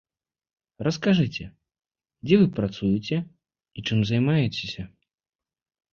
Раскажыце, дзе вы працуеце і чым займаецеся.